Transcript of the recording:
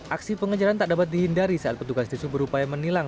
aksi pengejaran tak dapat dihindari saat petugas disuruh berupaya menilang